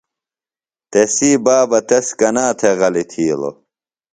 تسی بابہ تس کنا تھےۡ غلیۡ تھِیلو؟